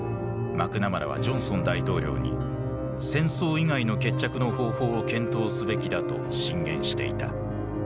マクナマラはジョンソン大統領に戦争以外の決着の方法を検討すべきだと進言していた。